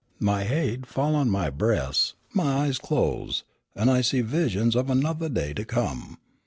My haid fall on my breas', my eyes close, an' I see visions of anothah day to come.